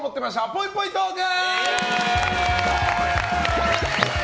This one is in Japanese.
ぽいぽいトーク。